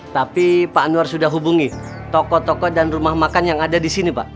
tapi pak anwar sudah hubungi toko toko dan rumah makan yang ada di sini pak